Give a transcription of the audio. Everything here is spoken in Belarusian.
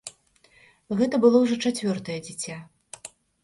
Гэта было ўжо чацвёртае дзіця.